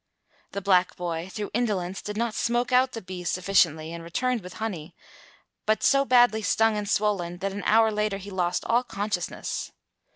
The black boy, through indolence, did not smoke out the bees sufficiently and returned with honey, but so badly stung and swollen that an hour later he lost all consciousness.